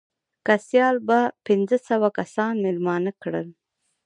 که سیال به پنځه سوه کسان مېلمانه کړل.